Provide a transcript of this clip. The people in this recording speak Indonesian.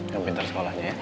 yang pintar sekolahnya ya